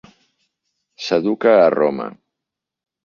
S'educa a Roma.